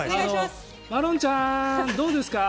まろんちゃん、どうですか？